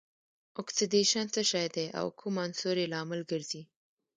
اکسیدیشن څه شی دی او کوم عنصر یې لامل ګرځي؟